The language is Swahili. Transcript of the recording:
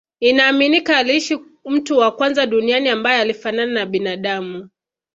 Inaaminika aliishi mtu wa kwanza duniani ambae alifanana na binadamu